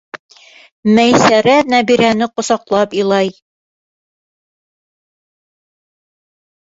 Мәйсәрә Нәбирәне ҡосаҡлап илай.